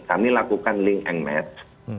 kami lakukan link and match